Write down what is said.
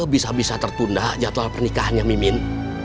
bisa bisa tertunda jadwal pernikahannya mimin